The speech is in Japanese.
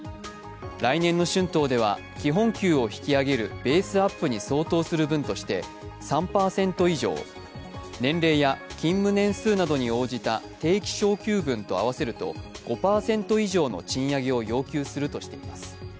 来年の春闘では基本給を引き上げるベースアップに相当する分として３％以上年齢や勤務年数などに応じた定期昇給分とあわせると５％以上の賃上げを要求するとしています。